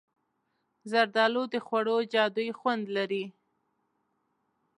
زردالو د خوړو جادويي خوند لري.